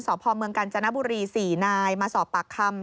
สพเมืองกาญจนบุรี๔นายมาสอบปากคำ